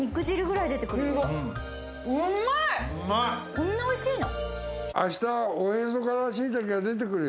こんなにおいしいの。